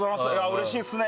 うれしいですね。